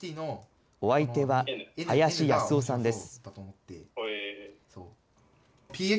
お相手は林康生さんです。